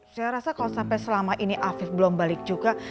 saya rasa kalau sampai selama ini afif belum balik juga